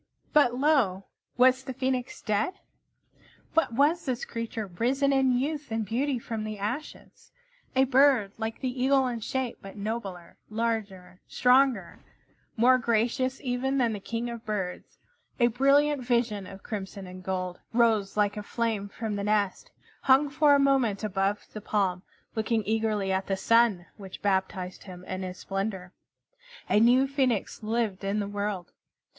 But lo! Was the Phoenix dead? What was this creature risen in youth and beauty from the ashes? A bird like the Eagle in shape, but nobler, larger, stronger, more gracious even than the King of Birds, a brilliant vision of crimson and gold, rose like a flame from the nest, hung for a moment above the palm, looking eagerly at the Sun, which baptized him in its splendor. A new Phoenix lived in the world.